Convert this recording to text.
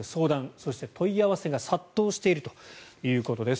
そして、問い合わせが殺到しているということです。